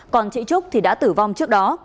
còn chị trúc thì đã tử vong trước đó